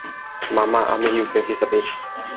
মামা, আমি ইউকের ভিসা পেয়েছি।